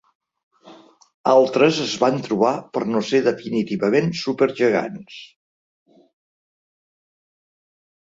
Altres es van trobar per no ser definitivament supergegants.